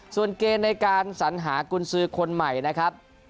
ส่วนเกณฑ์ในการสัญหากุญสือคนใหม่นะครับ